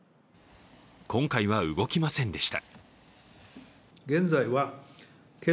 今回は動きませんでした。